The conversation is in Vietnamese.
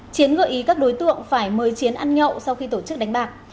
chiến gợi ý các đối tượng phải mời chiến ăn nhậu sau khi tổ chức đánh bạc